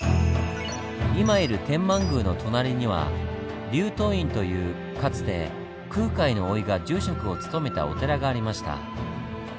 今いる天満宮の隣には龍燈院というかつて空海の甥が住職を務めたお寺がありました。